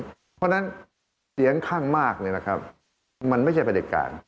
เพราะฉะนั้นเสียงข้างมากมันไม่ใช่ประเด็จการ